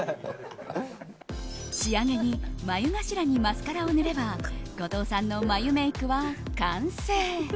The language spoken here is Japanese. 仕上げに眉頭にマスカラを塗れば後藤さんの眉メイクは完成。